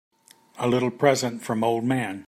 A little present from old man.